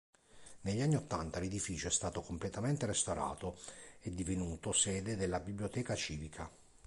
Negli anni ottanta l'edificio è stato completamente restaurato e divenuto sede della "Biblioteca civica".